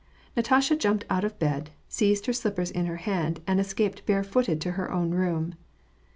Natasha jumped out of bed, seized her slippers in her hand, and escaped bare footed to her own room.